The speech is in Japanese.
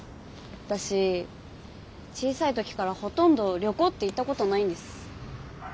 私小さい時からほとんど旅行って行ったことないんです。